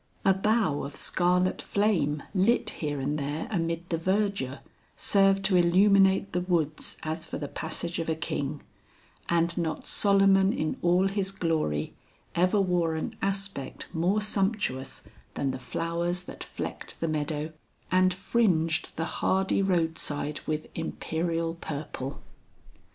A bough of scarlet flame lit here and there amid the verdure, served to illuminate the woods as for the passage of a king; and not Solomon in all his glory ever wore an aspect more sumptuous than the flowers that flecked the meadow and fringed the hardy roadside with imperial purple.